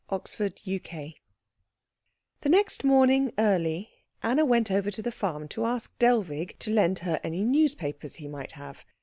CHAPTER IX The next morning early, Anna went over to the farm to ask Dellwig to lend her any newspapers he might have.